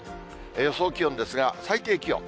予想気温ですが、最低気温。